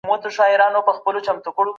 خپل پام په هنر باندې متمرکز کړه.